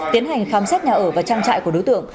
tiến hành khám xét nhà ở và trang trại của đối tượng